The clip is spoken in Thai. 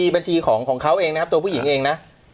บัญชีของเขาเองนะครับตัวผู้หญิงเองนะ